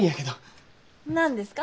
何ですか？